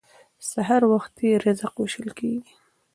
سهار وختي رزق ویشل کیږي.